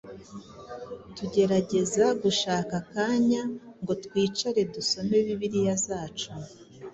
Tugerageza gushaka akanya ngo twicare dusome Bibiliya zacu,